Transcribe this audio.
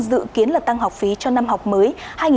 dự kiến là tăng học phí cho năm học mới